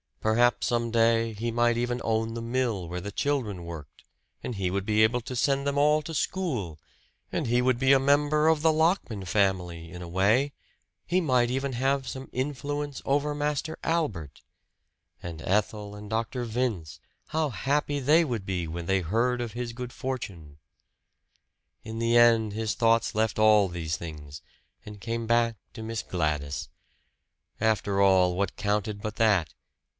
Perhaps some day he might even own the mill where the children worked, and he would be able to send them all to school! And he would be a member of the Lockman family, in a way he might even have some influence over Master Albert! And Ethel and Dr. Vince how happy they would be when they heard of his good fortune! In the end his thoughts left all these things, and came back to Miss Gladys. After all, what counted but that?